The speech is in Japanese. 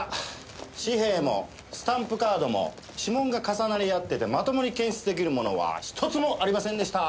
紙幣もスタンプカードも指紋が重なり合っててまともに検出出来るものは一つもありませんでした。